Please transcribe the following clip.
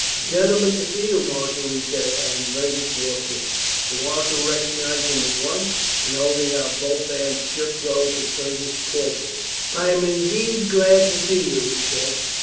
"A gentleman to see you, marshal," he said, and Fergus walked in. The marshal recognized him at once and, holding out both hands, shook those of Fergus cordially. "I am indeed glad to see you," he said.